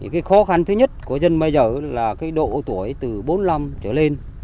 cái khó khăn thứ nhất của dân bây giờ là độ tuổi từ bốn năm trở lên